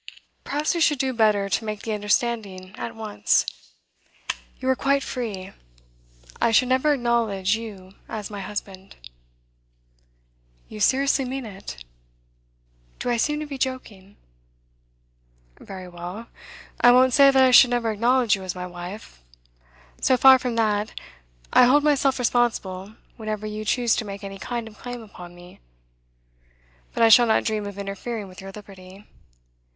'Perhaps we should do better to make the understanding at once. You are quite free; I should never acknowledge you as my husband.' 'You seriously mean it?' 'Do I seem to be joking?' 'Very well. I won't say that I should never acknowledge you as my wife; so far from that, I hold myself responsible whenever you choose to make any kind of claim upon me. But I shall not dream of interfering with your liberty.